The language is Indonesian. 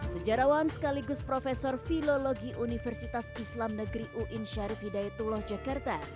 sejarawan sekaligus profesor filologi universitas islam negeri uin syarif hidayatullah jakarta